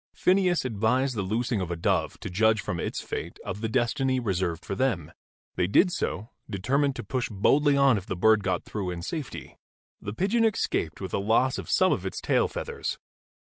Phineas advised the loosing of a dove and to judge from its fate of the destiny reserved for them. They did so, determined to push boldly on if the bird got through in safety. The pigeon escaped with the loss of some of its tail feathers.